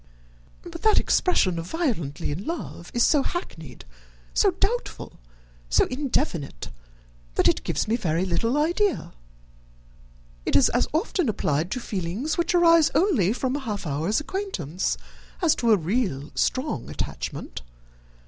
"But that expression of 'violently in love' is so hackneyed, so doubtful, so indefinite, that it gives me very little idea. It is as often applied to feelings which arise only from a half hour's acquaintance, as to a real, strong attachment.